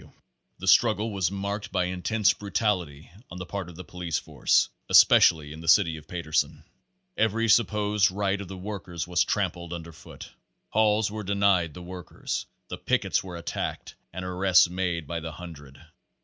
W. The struggle was marked by intense brutality on the part of the police force, especially in the city of Paterson. Every supposed right of the workers was trampled under foot; halls were denied the workers; the pickets were attacked and arrests made by the hun dred.